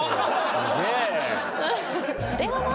すげえ！